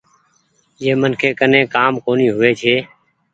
جنهن منکي ڪني ڪآم ڪونيٚ هووي ڇي۔